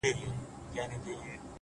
• زما د هر شعر نه د هري پيغلي بد راځي؛